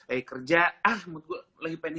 eh kerja ah mood gue gak mau kerja lagi ya